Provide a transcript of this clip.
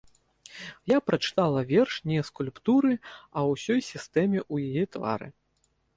Я прачытала верш не скульптуры, а ўсёй сістэме у яе твары.